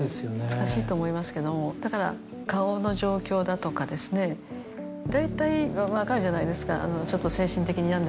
難しいと思いますけどもだから顔の状況だとか大体分かるじゃないですか。